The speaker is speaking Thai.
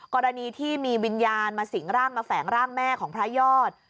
กรณีที่มีวิญญาณมาสิงร่างมาแฝงร่างแม่ของพระยอด